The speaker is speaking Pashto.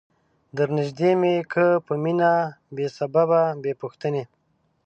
در نیژدې می که په مینه بې سببه بې پوښتنی